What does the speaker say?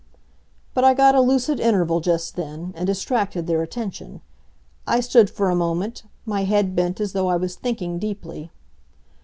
But I got a lucid interval just then, and distracted their attention. I stood for a moment, my head bent as though I was thinking deeply.